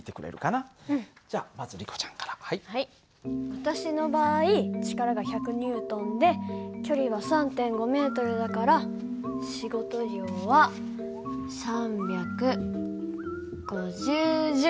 私の場合力が１００Ｎで距離は３．５ｍだから仕事量は３５０Ｊ。